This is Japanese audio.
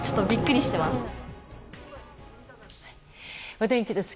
お天気です。